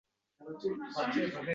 Gijda nonmas, Quva anormas